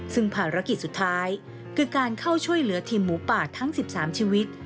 ซึ่งภารกิจสุดท้ายคือการเข้าช่วยเหลือทีมหมูป่าทั้ง๑๓ชีวิต